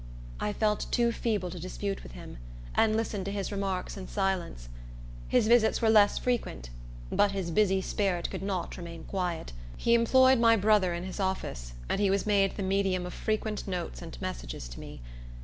I felt too feeble to dispute with him, and listened to his remarks in silence. His visits were less frequent; but his busy spirit could not remain quiet. He employed my brother in his office; and he was made the medium of frequent notes and messages to me.